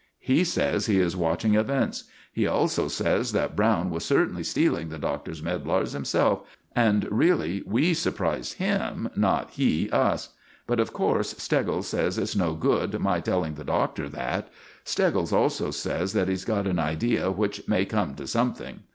"He says he is watching events. He also says that Browne was certainly stealing the Doctor's medlars himself, and really we surprised him, not he us; but, of course, Steggles says it's no good my telling the Doctor that. Steggles also says that he's got an idea which may come to something.